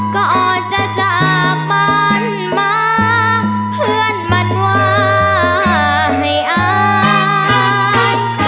ก่อนจะจากบ้านมาเพื่อนมันว่าให้อาย